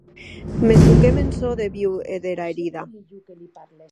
Mès toquem en çò de viu dera herida.